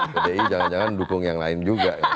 jadi jangan jangan dukung yang lain juga